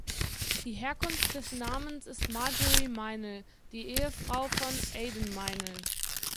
Die Herkunft des Namens ist Marjorie Meinel, die Ehefrau von Aden Meinel.